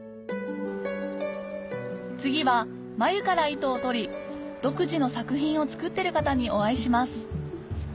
次は繭から糸を取り独自の作品を作ってる方にお会いします